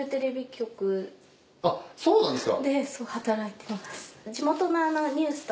あっそうなんですか！